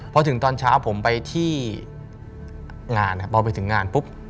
พอถึงตอนเช้าผมไปที่งานพอไปถึงงานปุ๊บ